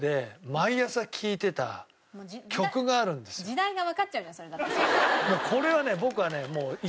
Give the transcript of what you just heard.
時代がわかっちゃうじゃないそれだと。